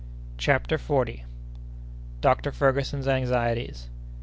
CHAPTER FORTIETH. Dr. Ferguson's Anxieties.